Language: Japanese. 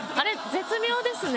絶妙ですね。